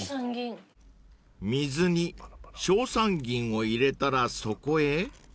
［水に硝酸銀を入れたらそこへ］